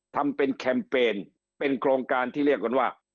ทำเป็นแคมเปญเป็นโครงการที่เรียกกันว่า